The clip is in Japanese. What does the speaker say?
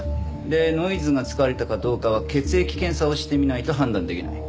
でノイズが使われたかどうかは血液検査をしてみないと判断できない。